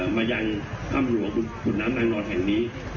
มายังถ้ำหลวงขุนน้ำนางนอนแห่งนี้